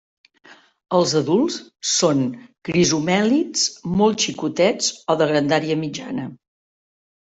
Els adults són crisomèlids molt xicotets o de grandària mitjana.